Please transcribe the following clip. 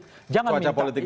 kewajah politiknya kondusif